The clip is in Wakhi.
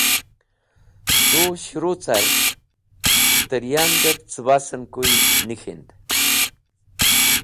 Tu shẽru car tẽryandẽb cẽbasẽn kuy nik̃hend.